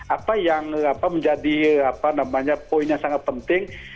apa yang menjadi poin yang sangat penting